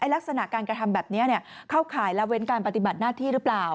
ลักษณะการกระทำแบบนี้เข้าข่ายละเว้นการปฏิบัติหน้าที่หรือเปล่า